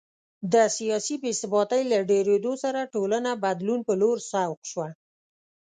د سیاسي بې ثباتۍ له ډېرېدو سره ټولنه بدلون په لور سوق شوه